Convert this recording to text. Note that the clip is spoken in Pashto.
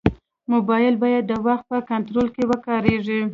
موبایل باید د وخت په کنټرول کې وکارېږي.